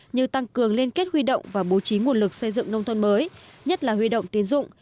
như tăng cường liên kết huy động và bố trí nguồn lực xây dựng nông thôn mới nhất là huy động tiến dụng